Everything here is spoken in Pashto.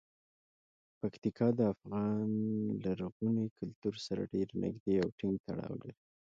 پکتیکا د افغان لرغوني کلتور سره ډیر نږدې او ټینګ تړاو لري.